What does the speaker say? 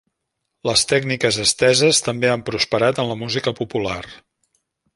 Les tècniques esteses també han prosperat en la música popular.